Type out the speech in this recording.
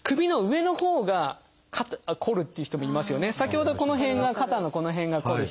先ほどはこの辺が肩のこの辺がこる人。